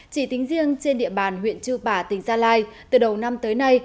chỉ tính riêng trên địa bàn huyện chư bả tỉnh gia lai từ đầu năm tới nay